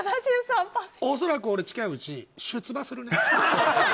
恐らく俺、近いうち出馬するね。